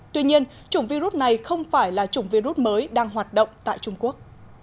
tuy nhiên chủng virus này không phải là chủng virus mới đang hoạt động tại trung quốc